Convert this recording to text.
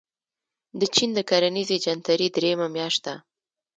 د چين د کرنیزې جنترې درېیمه میاشت ده.